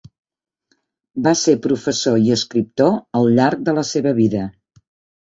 Va ser professor i escriptor al llarg de la seva vida.